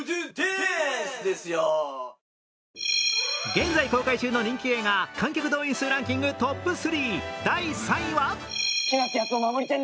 現在公開中の人気映画観客動員数ランキングトップ３。